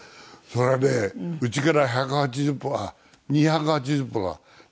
それはねうちから１８０歩あっ２８０歩だ。